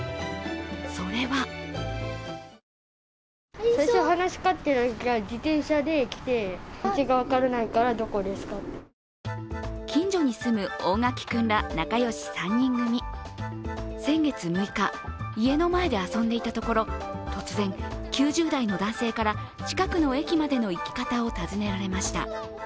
それは近所に住む大垣君ら仲良し３人組先月６日家の前で遊んでいたところ突然、９０代の男性から近くの駅までの行き方を尋ねられました。